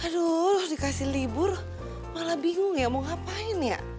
aduh dikasih libur malah bingung ya mau ngapain ya